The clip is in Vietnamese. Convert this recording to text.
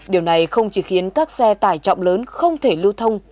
điều này không chỉ khiến các xe tải trọng lớn không thể lưu thông